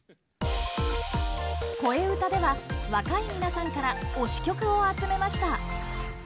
「こえうた」では若い皆さんから「推し曲」を集めました。